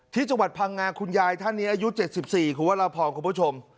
ที่จังหวัดพังงาคุณยายท่านนี้อายุ๗๔คุณวรพรคุณผู้ชม